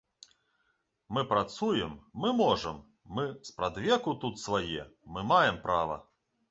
Мы працуем, мы можам, мы спрадвеку тут свае, мы маем права.